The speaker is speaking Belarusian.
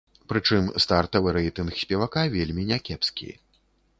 Прычым стартавы рэйтынг спевака вельмі някепскі.